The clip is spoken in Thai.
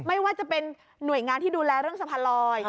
ไม่ว่าจะเป็นหน่วยงานที่ดูแลเรื่องสะพานลอย